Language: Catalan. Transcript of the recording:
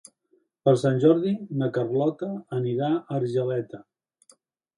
Per Sant Jordi na Carlota anirà a Argeleta.